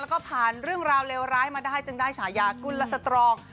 แล้วก็ผ่านเรื่องราวเลวร้ายมาได้จึงได้ฉายากุลสตรอง